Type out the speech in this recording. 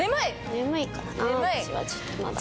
眠いかな私はちょっとまだ。